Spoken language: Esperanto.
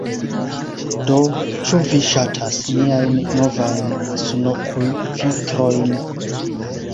Do, ĉu vi ŝatas miajn novajn sunokulvitrojn